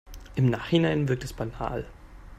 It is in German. Im Nachhinein wirkt es banal.